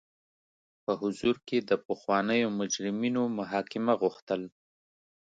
په حضور کې د پخوانیو مجرمینو محاکمه غوښتل.